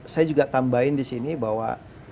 saya juga tambahin disini bahwa